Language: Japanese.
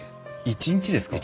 １日ですか？